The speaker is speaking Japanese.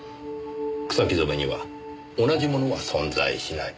草木染めには同じものは存在しない。